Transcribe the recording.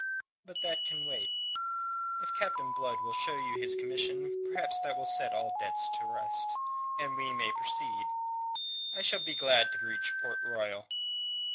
"But that can wait. If Captain Blood will show you his commission, perhaps that will set all doubts at rest, and we may proceed. I shall be glad to reach Port Royal."